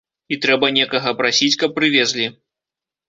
І трэба некага прасіць, каб прывезлі.